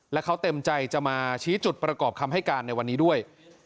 และเขาเต็มใจจะมาชี้จุดประกอบคำให้การในวันนี้ด้วย